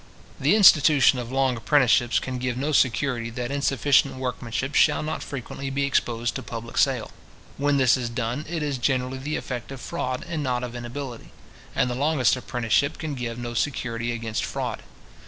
The institution of long apprenticeships can give no security that insufficient workmanship shall not frequently be exposed to public sale. When this is done, it is generally the effect of fraud, and not of inability; and the longest apprenticeship can give no security against fraud.